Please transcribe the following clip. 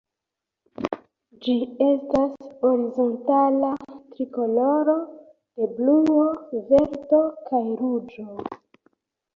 Ĝi estas horizontala trikoloro de bluo, verdo kaj ruĝo.